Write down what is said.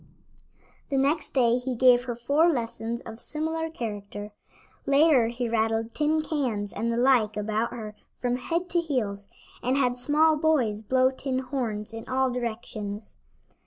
The next day he gave her four lessons of similar character. Later he rattled tin cans and the like about her from head to heels, and had small boys blow tin horns in all directions.